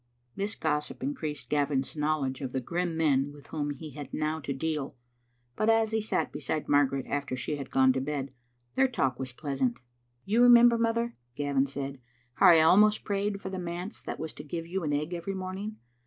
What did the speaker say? This gossip increased Gavin's knowledge of the grim men with whom he had now to deal. But as he sat be side Margaret after she had gone to bed, their talk was pleasant. "You remember, mother," Gavin said, "how I almost prayed for the manse that was to give you an egg every morning.